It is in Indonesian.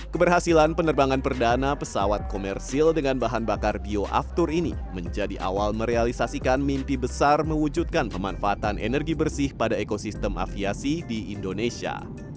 keberhasilan penerbangan perdana pesawat komersil dengan bahan bakar bioaftur ini menjadi awal merealisasikan mimpi besar mewujudkan pemanfaatan energi bersih pada ekosistem aviasi di indonesia